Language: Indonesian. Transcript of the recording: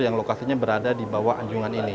yang lokasinya berada di bawah anjungan ini